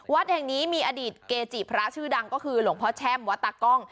วัดแห่งนี้มีอดีตเกจิพระชื่อดังก็คือหลวงพ่อแช่มวัดตากล้อง